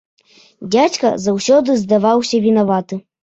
Дзядзька заўсёды здаваўся вінаваты.